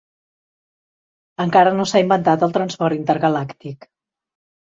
Encara no s'ha inventat el transport intergalàctic.